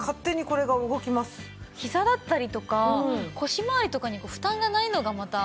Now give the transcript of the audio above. ひざだったりとか腰まわりとかに負担がないのがまた。